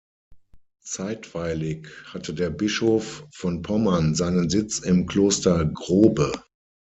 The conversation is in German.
Zeitweilig hatte der Bischof von Pommern seinen Sitz im Kloster Grobe.